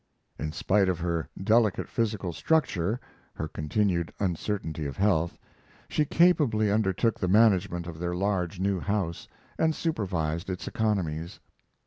In spite of her delicate physical structure, her continued uncertainty of health, she capably undertook the management of their large new house, and supervised its economies.